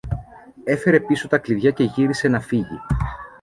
έφερε πίσω τα κλειδιά και γύρισε να φύγει.